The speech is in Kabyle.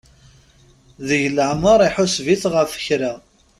Deg leɛmer iḥuseb-it ɣef kra.